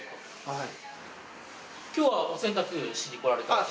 はい。